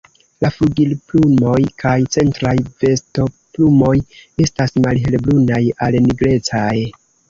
La flugilplumoj kaj centraj vostoplumoj estas malhelbrunaj al nigrecaj.